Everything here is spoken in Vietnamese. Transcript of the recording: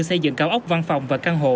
xây dựng cao ốc văn phòng và căn hộ